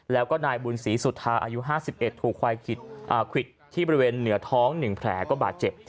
แล้วก็นายบุญศรีสุธาอายุห้าสิบเอ็ดถูกควายขวิดอ่าขวิดที่บริเวณเหนือท้องหนึ่งแผลก็บาดเจ็บ